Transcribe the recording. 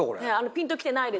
ピンと来てないですね。